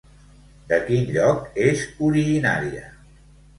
De quin lloc és originària?